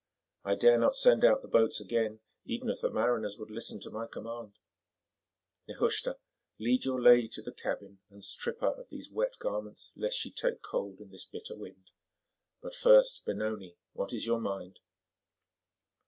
I dare not send out the boats again even if the mariners would listen to my command. Nehushta, lead your lady to the cabin and strip her of these wet garments lest she take cold in this bitter wind. But first, Benoni, what is your mind?"